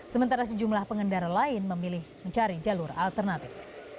sementara sejumlah pengendara lain memilih mencari jalur alternatif